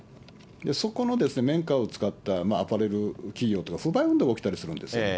そこの綿花を使ったアパレル企業とか、不買運動が起きたりするんですね。